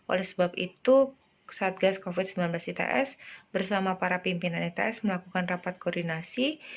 oleh sebab itu satgas covid sembilan belas its bersama para pimpinan its melakukan rapat koordinasi